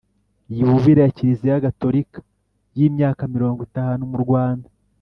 Yubile ya Kiliziya gatolika y'imyaka miringo itanu mu Rwanda